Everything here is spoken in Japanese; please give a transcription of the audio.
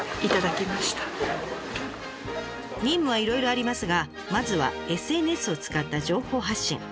任務はいろいろありますがまずはＳＮＳを使った情報発信。